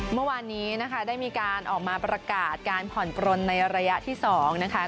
เมื่อวานนี้นะคะได้มีการออกมาประกาศการผ่อนปลนในระยะที่๒นะคะ